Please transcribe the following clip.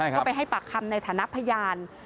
ก็ไปให้ปากคำในฐานะพยาน